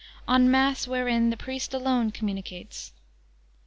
On Mass wherein the priest alone communicates.